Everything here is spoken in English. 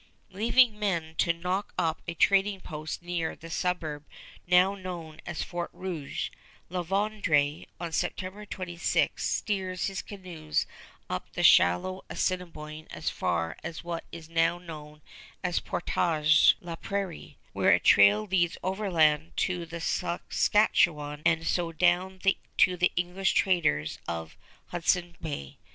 Leaving men to knock up a trading post near the suburb now known as Fort Rouge, La Vérendrye, on September 26, steers his canoes up the shallow Assiniboine far as what is now known as Portage La Prairie, where a trail leads overland to the Saskatchewan and so down to the English traders of Hudson Bay.